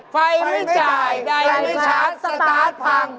ไม่จ่ายใดไม่ชาร์จสตาร์ทพัง